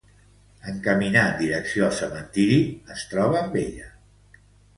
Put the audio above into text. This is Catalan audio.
En caminar en direcció al cementiri, es troba amb ella.